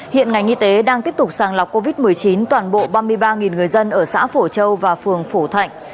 hiện ngành y tế đang tiếp tục sàng lọc covid một mươi chín toàn bộ ba mươi ba người dân ở xã phổ châu và phường phổ thạnh